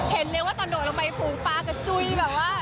เห็นเลยว่าตอนโดดลงไปฝูงปลากระจุยแบบว่า